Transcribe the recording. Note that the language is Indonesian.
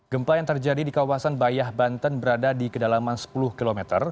gempa yang terjadi di kawasan bayah banten berada di kedalaman sepuluh km